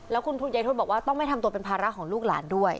แล้วคุณยายทศบอกว่าต้องไม่ทำตัวเป็นภาระของลูกหลานด้วย